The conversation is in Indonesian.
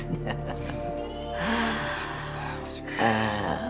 saya juga senang sekali